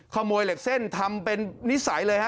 เหล็กเส้นทำเป็นนิสัยเลยฮะ